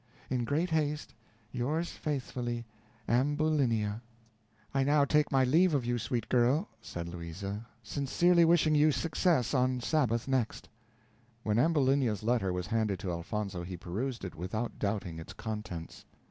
In great haste, Yours faithfully, Ambulinia. "I now take my leave of you, sweet girl," said Louisa, "sincerely wishing you success on Sabbath next." When Ambulinia's letter was handed to Elfonzo, he perused it without doubting its contents.